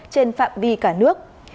trên phạm vi cả nước